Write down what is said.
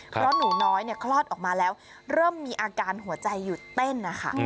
เพราะหนูน้อยคลอดออกมาแล้วเริ่มมีอาการหัวใจหยุดเต้นนะคะ